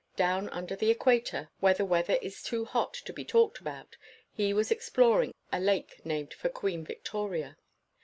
Down under the equator, where the weather is too hot to be talked about, he was explor ing a lake named for Queen Victoria.